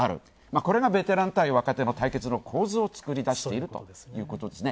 これがベテラン対若手の対決の構図を作り出しているということですね。